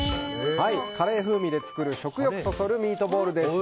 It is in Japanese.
カレー風味で作る食欲そそるミートボールです。